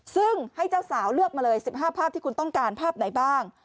ซึ่งให้เจ้าสาวเลือกมาเลย๑๕ภาพที่คุณต้องการภาพไหนบ้าง